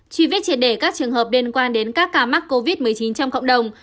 truy vết triệt để các trường hợp liên quan đến các ca mắc covid một mươi chín trong cộng đồng